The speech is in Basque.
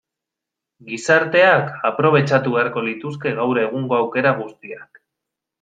Gizarteak aprobetxatu beharko lituzke gaur egungo aukera guztiak.